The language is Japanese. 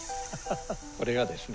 これがですね